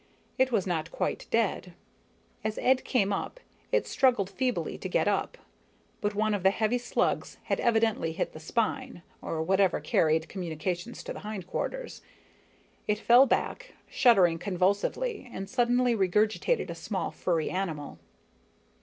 It was not quite dead. As Ed came up it struggled feebly to get up, but one of the heavy slugs had evidently hit the spine, or whatever carried communications to the hindquarters. It fell back, shuddering convulsively, and suddenly regurgitated a small, furry animal.